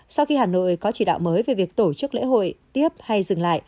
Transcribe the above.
sau khi hà nội có chỉ đạo mới về việc tổ chức lễ hội tiếp hay dừng lại